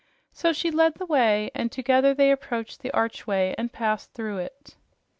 So she led the way, and together they approached the archway and passed through it.